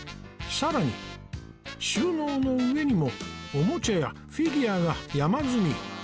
さらに収納の上にもおもちゃやフィギュアが山積み